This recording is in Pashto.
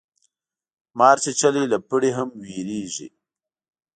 مار چیچلی له پړي هم ویریږي